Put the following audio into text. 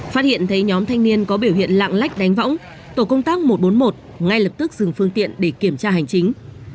phát hiện thấy nhóm thanh niên có biểu hiện lạng lách đánh võng tổ công tác một trăm bốn mươi một ngay lập tức dừng phương tiện để kiểm tra hành chính